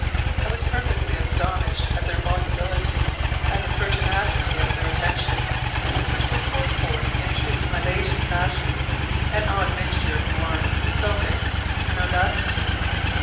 I was perfectly astonished at their volubility, and the pertinacity of their attentions, which were poured forth in the true Milesian fashion an odd mixture of blarney, self interest, and audacity.